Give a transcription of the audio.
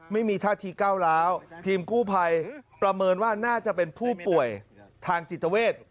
ไม่มีท่าทีก้าวร้าวทีมกู้ภัยประเมินว่าน่าจะเป็นผู้ป่วยทางจิตเวท